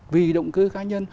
vì động cơ cá nhân